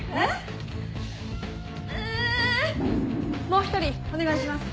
もう一人お願いします。